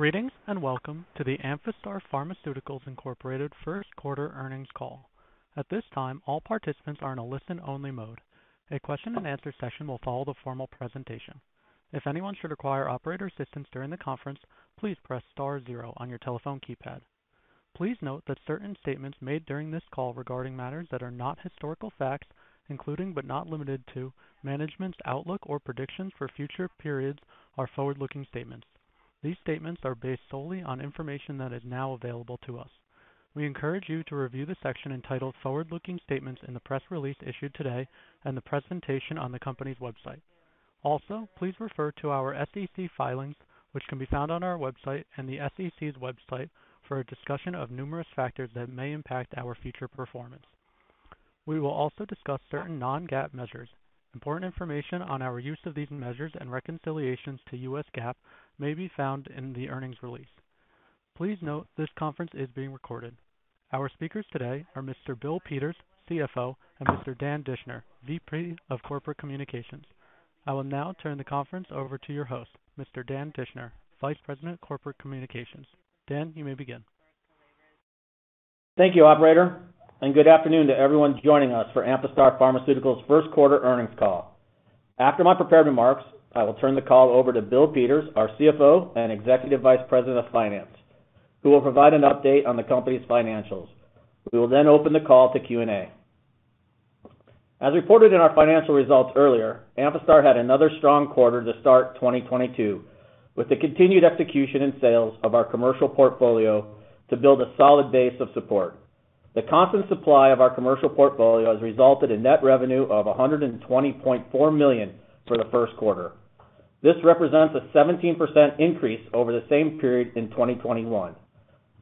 Greetings, and welcome to the Amphastar Pharmaceuticals, Inc. first quarter earnings call. At this time, all participants are in a listen-only mode. A question and answer session will follow the formal presentation. If anyone should require operator assistance during the conference, please press star zero on your telephone keypad. Please note that certain statements made during this call regarding matters that are not historical facts, including but not limited to management's outlook or predictions for future periods, are forward-looking statements. These statements are based solely on information that is now available to us. We encourage you to review the section entitled "Forward-Looking Statements" in the press release issued today and the presentation on the company's website. Also, please refer to our SEC filings, which can be found on our website and the SEC's website, for a discussion of numerous factors that may impact our future performance. We will also discuss certain non-GAAP measures. Important information on our use of these measures and reconciliations to U.S. GAAP may be found in the earnings release. Please note this conference is being recorded. Our speakers today are Mr. Bill Peters, CFO, and Mr. Dan Dischner, VP of Corporate Communications. I will now turn the conference over to your host, Mr. Dan Dischner, Vice President of Corporate Communications. Dan, you may begin. Thank you, operator, and good afternoon to everyone joining us for Amphastar Pharmaceuticals' first quarter earnings call. After my prepared remarks, I will turn the call over to Bill Peters, our CFO and Executive Vice President of Finance, who will provide an update on the company's financials. We will then open the call to Q&A. As reported in our financial results earlier, Amphastar had another strong quarter to start 2022, with the continued execution and sales of our commercial portfolio to build a solid base of support. The constant supply of our commercial portfolio has resulted in net revenue of $120.4 million for the first quarter. This represents a 17% increase over the same period in 2021,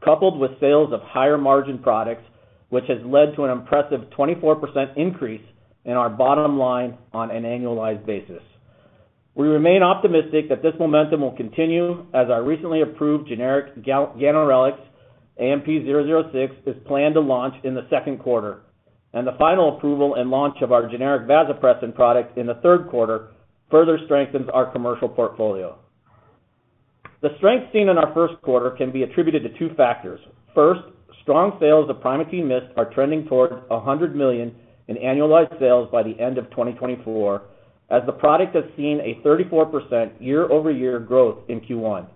coupled with sales of higher-margin products, which has led to an impressive 24% increase in our bottom line on an annualized basis. We remain optimistic that this momentum will continue as our recently approved generic ganirelix, AMP-006, is planned to launch in the second quarter. The final approval and launch of our generic vasopressin product in the third quarter further strengthens our commercial portfolio. The strength seen in our first quarter can be attributed to two factors. First, strong sales of Primatene MIST are trending toward $100 million in annualized sales by the end of 2024, as the product has seen a 34% year-over-year growth in Q1.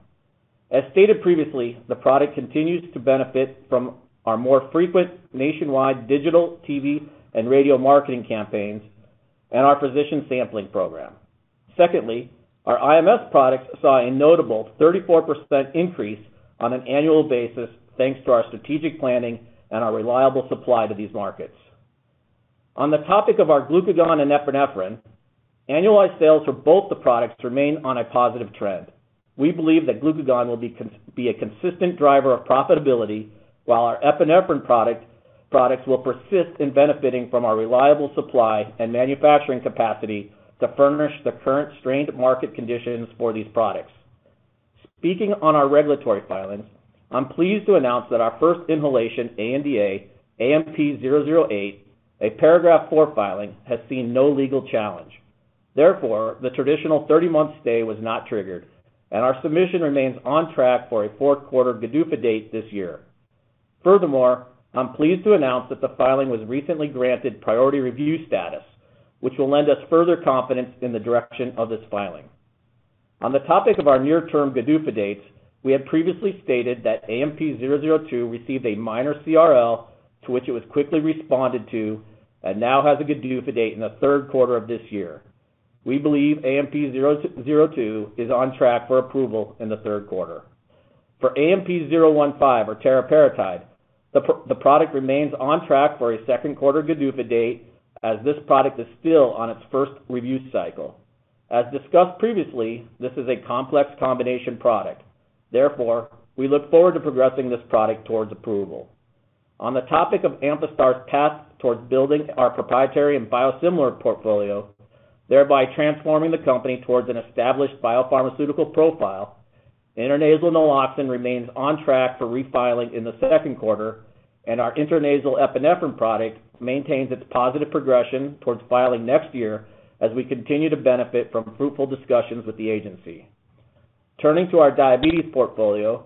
As stated previously, the product continues to benefit from our more frequent nationwide digital, TV, and radio marketing campaigns and our physician sampling program. Secondly, our IMS products saw a notable 34% increase on an annual basis, thanks to our strategic planning and our reliable supply to these markets. On the topic of our glucagon and epinephrine, annualized sales for both the products remain on a positive trend. We believe that glucagon will be a consistent driver of profitability, while our epinephrine products will persist in benefiting from our reliable supply and manufacturing capacity to furnish the current strained market conditions for these products. Speaking on our regulatory filings, I'm pleased to announce that our first inhalation ANDA, AMP-008, a Paragraph IV filing, has seen no legal challenge. Therefore, the traditional 30-month stay was not triggered, and our submission remains on track for a fourth quarter GDUFA date this year. Furthermore, I'm pleased to announce that the filing was recently granted priority review status, which will lend us further confidence in the direction of this filing. On the topic of our near-term GDUFA dates, we had previously stated that AMP-002 received a minor CRL, to which it was quickly responded to and now has a GDUFA date in the third quarter of this year. We believe AMP-002 is on track for approval in the third quarter. For AMP-015, or teriparatide, the product remains on track for a second quarter GDUFA date, as this product is still on its first review cycle. As discussed previously, this is a complex combination product. Therefore, we look forward to progressing this product towards approval. On the topic of Amphastar's path towards building our proprietary and biosimilar portfolio, thereby transforming the company towards an established biopharmaceutical profile, intranasal naloxone remains on track for refiling in the second quarter, and our intranasal epinephrine product maintains its positive progression towards filing next year as we continue to benefit from fruitful discussions with the agency. Turning to our diabetes portfolio,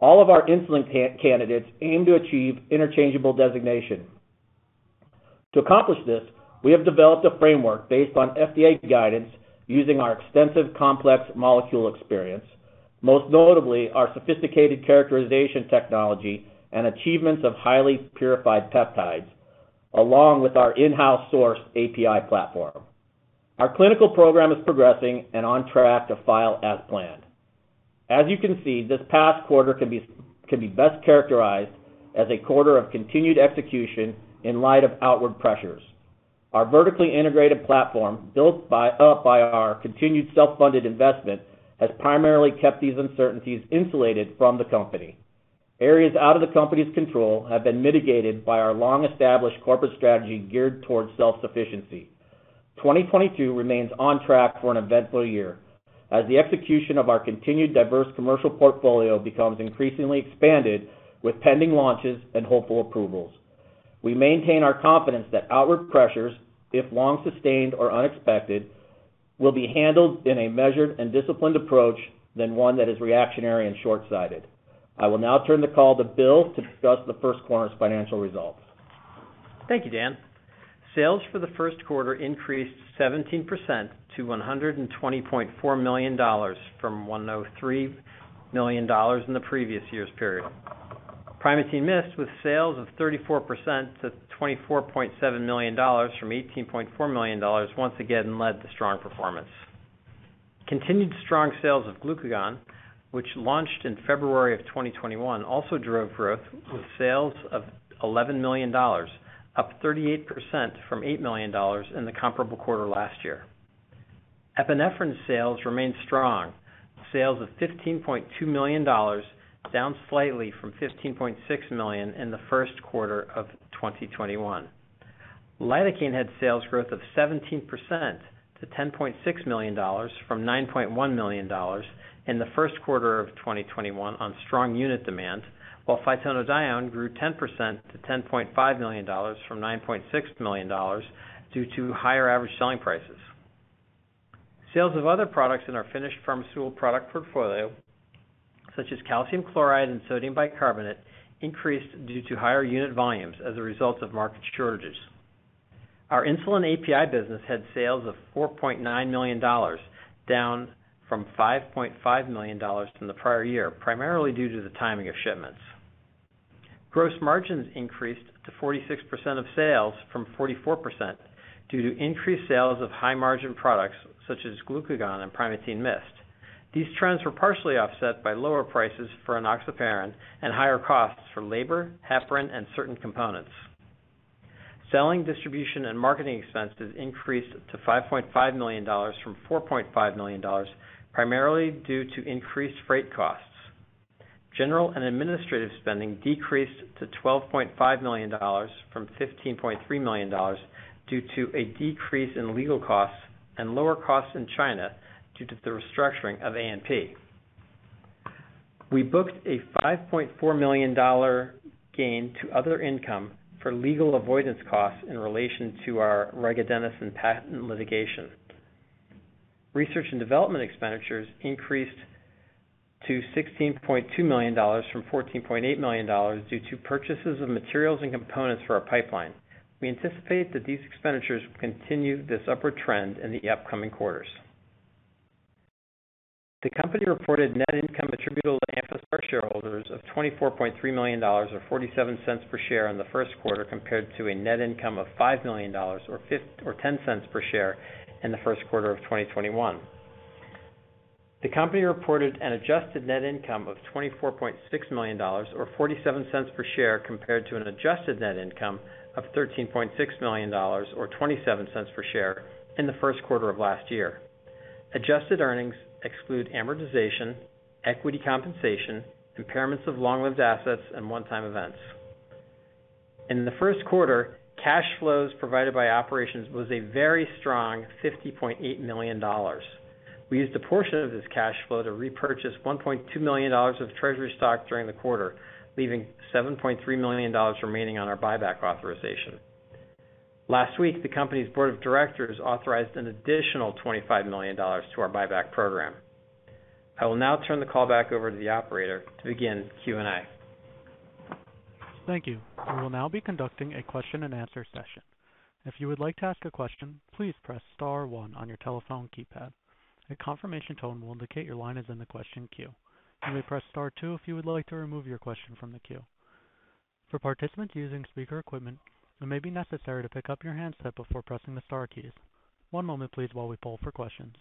all of our insulin candidates aim to achieve interchangeable designation. To accomplish this, we have developed a framework based on FDA guidance using our extensive complex molecule experience, most notably our sophisticated characterization technology and achievements of highly purified peptides, along with our in-house sourced API platform. Our clinical program is progressing and on track to file as planned. As you can see, this past quarter can be best characterized as a quarter of continued execution in light of outward pressures. Our vertically integrated platform, built up by our continued self-funded investment, has primarily kept these uncertainties insulated from the company. Areas out of the company's control have been mitigated by our long-established corporate strategy geared towards self-sufficiency. 2022 remains on track for an eventful year as the execution of our continued diverse commercial portfolio becomes increasingly expanded with pending launches and hopeful approvals. We maintain our confidence that outward pressures, if long sustained or unexpected, will be handled in a measured and disciplined approach rather than one that is reactionary and shortsighted. I will now turn the call to Bill to discuss the first quarter's financial results. Thank you, Dan. Sales for the first quarter increased 17% to $120.4 million from $103 million in the previous year's period. Primatene MIST, with sales up 34% to $24.7 million from $18.4 million once again led the strong performance. Continued strong sales of Glucagon, which launched in February of 2021, also drove growth with sales of $11 million, up 38% from $8 million in the comparable quarter last year. Epinephrine sales remained strong, sales of $15.2 million, down slightly from $15.6 million in the first quarter of 2021. Lidocaine had sales growth of 17% to $10.6 million from $9.1 million in the first quarter of 2021 on strong unit demand, while Phytonadione grew 10% to $10.5 million from $9.6 million due to higher average selling prices. Sales of other products in our finished pharmaceutical product portfolio, such as calcium chloride and sodium bicarbonate, increased due to higher unit volumes as a result of market shortages. Our insulin API business had sales of $4.9 million, down from $5.5 million from the prior year, primarily due to the timing of shipments. Gross margins increased to 46% of sales from 44% due to increased sales of high margin products such as Glucagon and Primatene MIST. These trends were partially offset by lower prices for Enoxaparin and higher costs for labor, heparin, and certain components. Selling, distribution and marketing expenses increased to $5.5 million from $4.5 million, primarily due to increased freight costs. General and administrative spending decreased to $12.5 million from $15.3 million due to a decrease in legal costs and lower costs in China due to the restructuring of ANP. We booked a $5.4 million gain to other income for legal avoidance costs in relation to our Regadenoson patent litigation. Research and development expenditures increased to $16.2 million from $14.8 million due to purchases of materials and components for our pipeline. We anticipate that these expenditures will continue this upward trend in the upcoming quarters. The company reported net income attributable to Amphastar shareholders of $24.3 million, or 47 cents per share in the first quarter compared to a net income of $5 million or fifteen cents per share in the first quarter of 2021. The company reported an adjusted net income of $24.6 million or 47 cents per share compared to an adjusted net income of $13.6 million or 27 cents per share in the first quarter of last year. Adjusted earnings exclude amortization, equity compensation, impairments of long-lived assets and one-time events. In the first quarter, cash flows provided by operations was a very strong $50.8 million. We used a portion of this cash flow to repurchase $1.2 million of treasury stock during the quarter, leaving $7.3 million remaining on our buyback authorization. Last week, the company's board of directors authorized an additional $25 million to our buyback program. I will now turn the call back over to the operator to begin Q&A. Thank you. We will now be conducting a question-and-answer session. If you would like to ask a question, please press star one on your telephone keypad. A confirmation tone will indicate your line is in the question queue. You may press star two if you would like to remove your question from the queue. For participants using speaker equipment, it may be necessary to pick up your handset before pressing the star keys. One moment please while we poll for questions.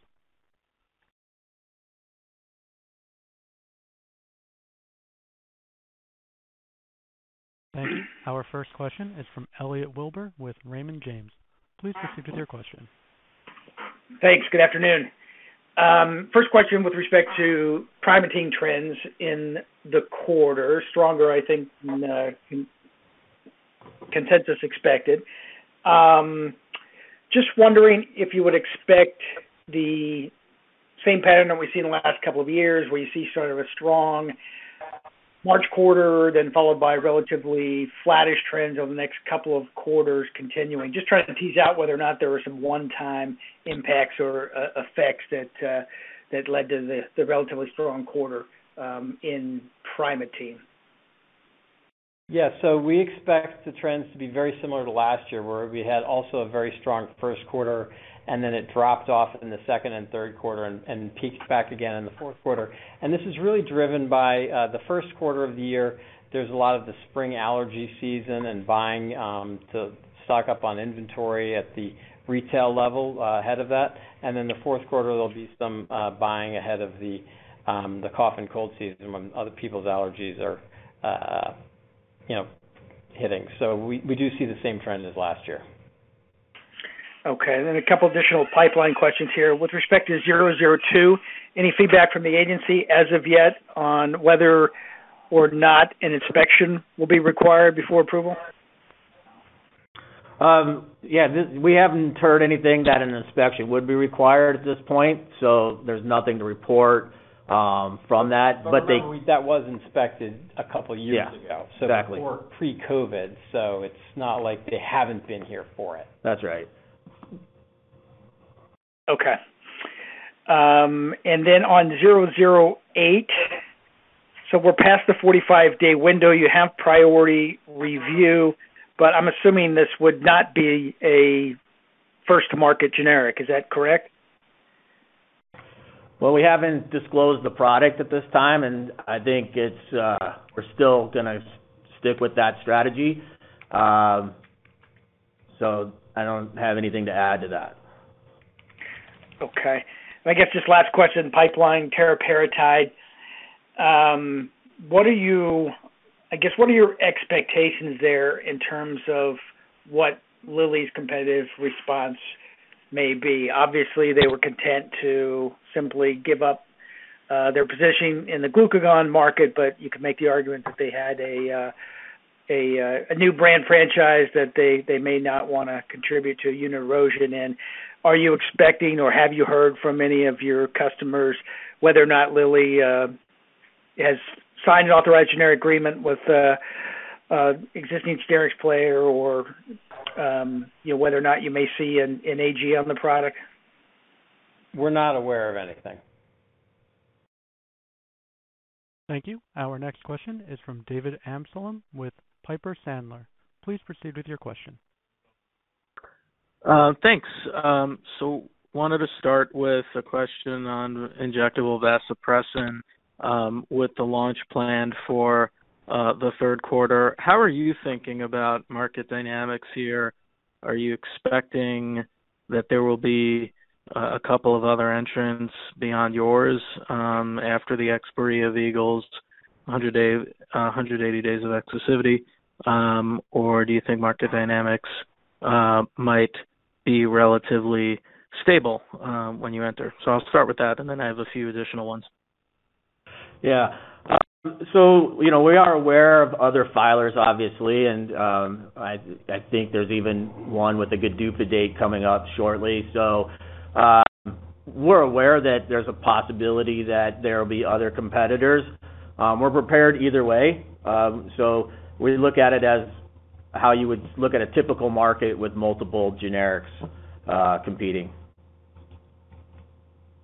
Thank you. Our first question is from Elliot Wilbur with Raymond James. Please proceed with your question. Thanks. Good afternoon. First question with respect to Primatene trends in the quarter. Stronger, I think, than consensus expected. Just wondering if you would expect the same pattern that we've seen in the last couple of years where you see sort of a strong March quarter then followed by relatively flattish trends over the next couple of quarters continuing. Just trying to tease out whether or not there were some one-time impacts or effects that led to the relatively strong quarter in Primatene. Yeah. We expect the trends to be very similar to last year where we had also a very strong first quarter and then it dropped off in the second and third quarter and peaked back again in the fourth quarter. This is really driven by the first quarter of the year. There's a lot of the spring allergy season and buying to stock up on inventory at the retail level ahead of that. Then the fourth quarter there'll be some buying ahead of the cough and cold season when other people's allergies are you know hitting. We do see the same trend as last year. Okay. A couple additional pipeline questions here. With respect to zero zero two, any feedback from the agency as of yet on whether or not an inspection will be required before approval? Yeah, we haven't heard anything that an inspection would be required at this point, so there's nothing to report from that. They- Remember, that was inspected a couple years ago. Yeah. Exactly. Before pre-COVID, so it's not like they haven't been here for it. That's right. Okay. On 008, so we're past the 45-day window, you have priority review, but I'm assuming this would not be a first market generic. Is that correct? Well, we haven't disclosed the product at this time, and I think it's, we're still gonna stick with that strategy. I don't have anything to add to that. Okay. I guess just last question, pipeline teriparatide. What are your expectations there in terms of what Lilly's competitive response may be? Obviously, they were content to simply give up their positioning in the glucagon market, but you could make the argument that they had a new brand franchise that they may not wanna contribute to unit erosion in. Are you expecting, or have you heard from any of your customers whether or not Lilly has signed an authorized generic agreement with existing generics player or whether or not you may see an AG on the product? We're not aware of anything. Thank you. Our next question is from David Amsellem with Piper Sandler. Please proceed with your question. Thanks. Wanted to start with a question on injectable vasopressin, with the launch plan for the third quarter. How are you thinking about market dynamics here? Are you expecting that there will be a couple of other entrants beyond yours, after the expiry of Eagle's 180 days of exclusivity? Do you think market dynamics might be relatively stable when you enter? I'll start with that, and then I have a few additional ones. Yeah, you know, we are aware of other filers, obviously, and I think there's even one with a GDUFA date coming up shortly. We're aware that there's a possibility that there will be other competitors. We're prepared either way. We look at it as how you would look at a typical market with multiple generics competing.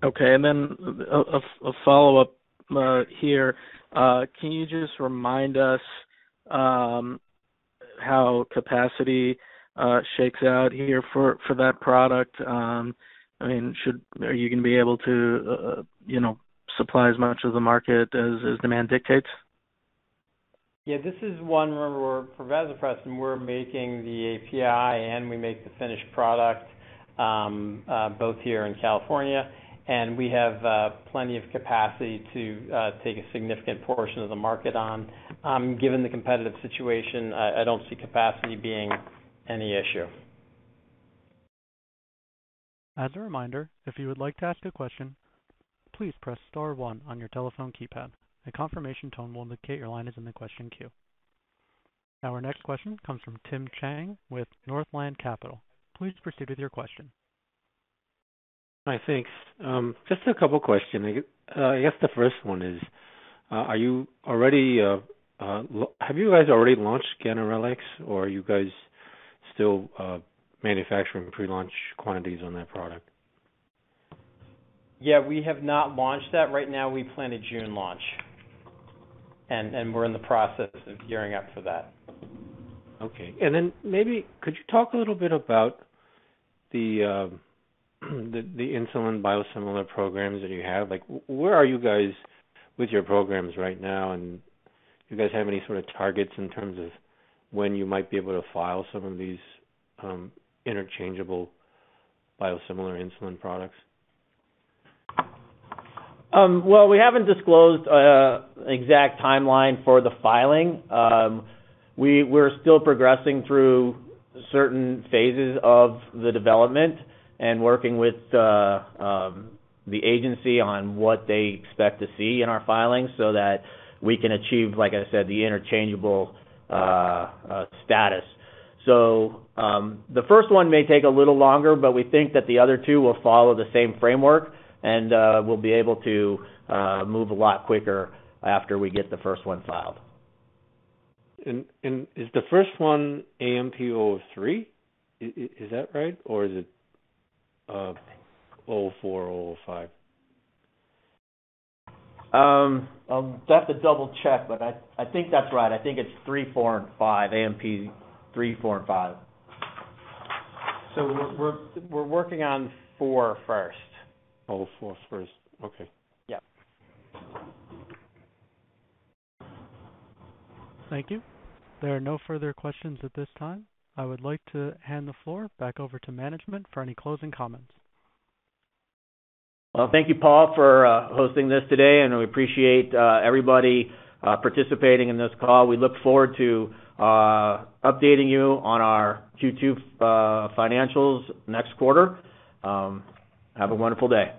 Okay. A follow-up here. Can you just remind us how capacity shakes out here for that product? I mean, are you gonna be able to, you know, supply as much of the market as demand dictates? Yeah, this is one where for vasopressin, we're making the API and we make the finished product, both here in California, and we have plenty of capacity to take a significant portion of the market on. Given the competitive situation, I don't see capacity being any issue. As a reminder, if you would like to ask a question, please press star one on your telephone keypad. A confirmation tone will indicate your line is in the question queue. Our next question comes from Tim Chiang with Northland Capital. Please proceed with your question. Hi, thanks. Just a couple questions. I guess the first one is, have you guys already launched ganirelix, or are you guys still manufacturing pre-launch quantities on that product? Yeah, we have not launched that. Right now, we plan a June launch. We're in the process of gearing up for that. Okay. Then maybe could you talk a little bit about the insulin biosimilar programs that you have? Like, where are you guys with your programs right now? Do you guys have any sort of targets in terms of when you might be able to file some of these interchangeable biosimilar insulin products? Well, we haven't disclosed exact timeline for the filing. We're still progressing through certain phases of the development and working with the agency on what they expect to see in our filings so that we can achieve, like I said, the interchangeable status. The first one may take a little longer, but we think that the other two will follow the same framework and we'll be able to move a lot quicker after we get the first one filed. Is the first one AMP-003? Is that right? Or is it 004, 005? I'll have to double-check, but I think that's right. I think it's 003, 004, and 005, AMP-003, AMP-004, and 005. We're working on four first. Q4 first. Okay. Yep. Thank you. There are no further questions at this time. I would like to hand the floor back over to management for any closing comments. Well, thank you, Paul, for hosting this today, and we appreciate everybody participating in this call. We look forward to updating you on our Q2 financials next quarter. Have a wonderful day.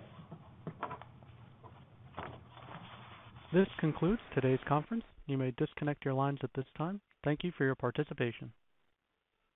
This concludes today's conference. You may disconnect your lines at this time. Thank you for your participation.